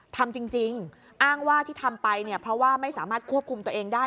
ทำจริงอ้างว่าที่ทำไปเนี่ยเพราะว่าไม่สามารถควบคุมตัวเองได้